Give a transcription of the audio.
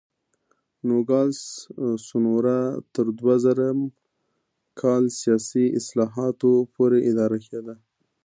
نوګالس سونورا تر دوه زره م کال سیاسي اصلاحاتو پورې اداره کېده.